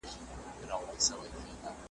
ځوانان له لوبو خوند اخلي.